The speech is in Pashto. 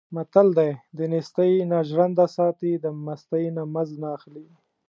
متل دی: دنېستۍ نه ژرنده ساتي، د مستۍ نه مزد نه اخلي.